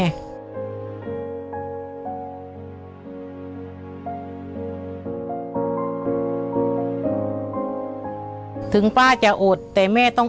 คนที่สองชื่อน้องก็เอาหลานมาให้ป้าวันเลี้ยงสองคน